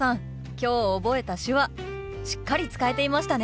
今日覚えた手話しっかり使えていましたね！